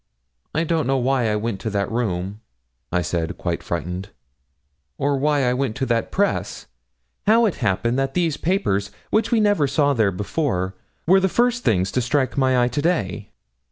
'I don't know why I went to that room,' I said, quite frightened; 'or why I went to that press; how it happened that these papers, which we never saw there before, were the first things to strike my eye to day.'